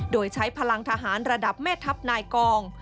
โดยใช้พลังทหารระดับแม่ทัพนายกอง